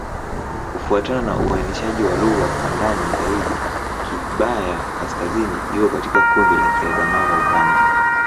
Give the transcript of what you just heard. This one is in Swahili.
Kufuatana na uainishaji wa lugha kwa ndani zaidi, Kigbaya-Kaskazini iko katika kundi la Kiadamawa-Ubangi.